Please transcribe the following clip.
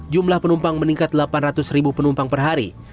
jumlah penumpang meningkat delapan ratus ribu penumpang per hari